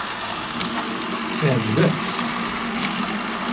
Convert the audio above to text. Iεǧeb-as?